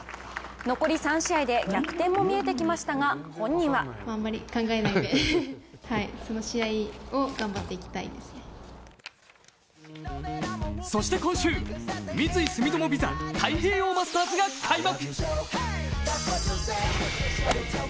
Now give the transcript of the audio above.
残り３試合で逆転も見えてきましたが本人はそして今週、三井住友ＶＩＳＡ太平洋マスターズが開幕。